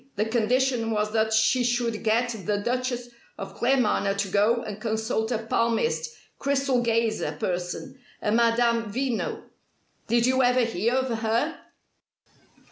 The condition was that she should get the Duchess of Claremanagh to go and consult a palmist, crystal gazer person, a Madame Veno. Did you ever hear of her?"